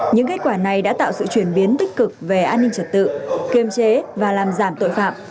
những kết quả này đã tạo sự chuyển biến tích cực về an ninh trật tự kiềm chế và làm giảm tội phạm